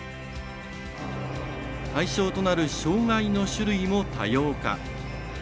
対象となる障がいの種類も多様化。